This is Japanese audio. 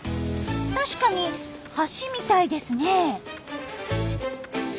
確かに橋みたいですね。